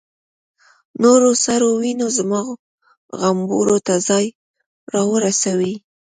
نورو سرو وینو زما غومبورو ته ځان را ورساوه.